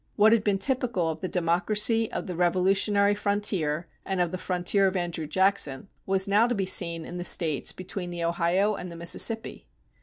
What had been typical of the democracy of the Revolutionary frontier and of the frontier of Andrew Jackson was now to be seen in the States between the Ohio and the Mississippi.